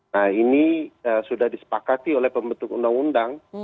nah ini sudah disepakati oleh pembentuk undang undang